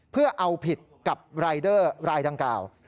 เพื่อเอาผิดกับรายเดอร์รายดังกล่าว